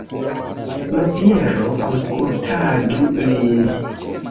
Maziero, aŭskultadu lin.